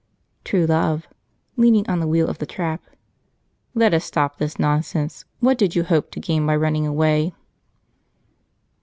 True Love (leaning on the wheel of the trap). "Let us stop this nonsense. What did you hope to gain by running away?"